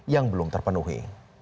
yang belum terpenuhi